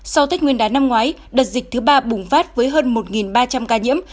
sau tết nguyên đán năm ngoái đợt dịch thứ ba bùng phát với hơn một ba trăm linh ca nhiễm